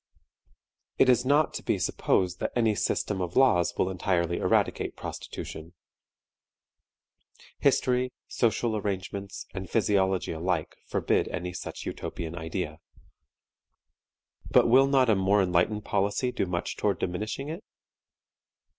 It is not to be supposed that any system of laws will entirely eradicate prostitution; history, social arrangements, and physiology alike forbid any such utopian idea. But will not a more enlightened policy do much toward diminishing it?